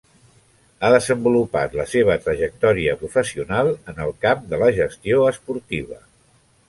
Ha desenvolupat la seva trajectòria professional en el camp de la gestió esportiva.